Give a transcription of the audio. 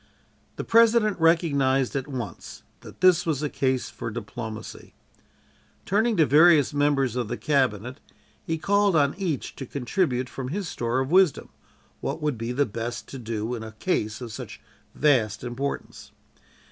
The President recognized at once that this was a case for diplomacy. Turning to various members of the cabinet, he called on each to contribute from his store of wisdom, what would be best to do in a case of such vast importance.